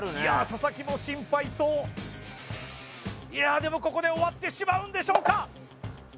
佐々木も心配そういやーでもここで終わってしまうんでしょうか？